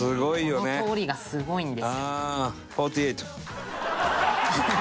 「この通りがすごいんですよ」